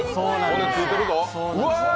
骨ついてるぞ。